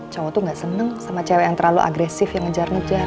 cowok tuh gak seneng sama cewek yang terlalu agresif yang ngejar ngejar